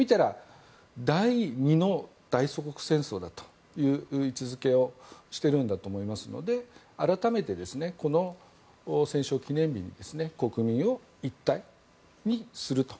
第２の大祖国戦争だという位置づけをしているんだと思いますので改めて、この戦勝記念日に国民を一体にすると。